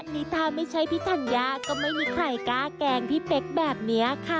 นี่ถ้าไม่ใช่พี่ธัญญาก็ไม่มีใครกล้าแกล้งพี่เป๊กแบบนี้ค่ะ